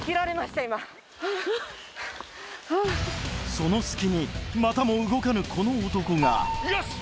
その隙にまたも動かぬこの男がよし！